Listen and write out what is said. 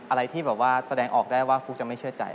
อะไรที่แบบว่าแสดงออกได้ว่าฟุ๊กจะไม่เชื่อใจ